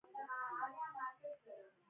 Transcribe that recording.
سره له دې چې له پښو ناارامه وم.